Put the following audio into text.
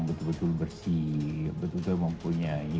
betul betul bersih betul betul mempunyai